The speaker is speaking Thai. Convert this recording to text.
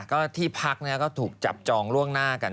ก็ที่พักก็ถูกจับจองล่วงหน้ากัน